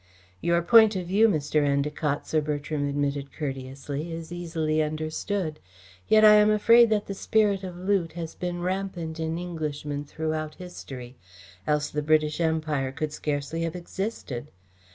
"Your point of view, Mr. Endacott," Sir Bertram admitted courteously, "is easily understood. Yet I am afraid that the spirit of loot has been rampant in Englishmen throughout history, else the British Empire could scarcely have existed.